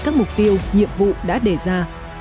các mục tiêu nhiệm vụ đã đề ra